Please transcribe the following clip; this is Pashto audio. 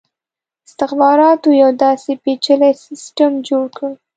استخباراتو یو داسي پېچلی سسټم جوړ کړ.